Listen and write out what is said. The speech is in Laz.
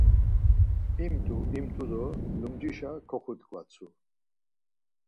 İmt̆u imt̆u do lumcişa koxut̆ǩvatsu.